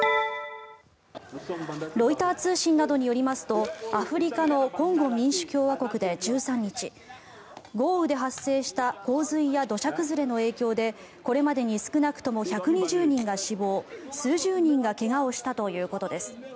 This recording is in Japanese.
ロイター通信などによりますとアフリカのコンゴ民主共和国で１３日豪雨で発生した洪水や土砂崩れの影響でこれまでに少なくとも１２０人が死亡数十人が怪我をしたということです。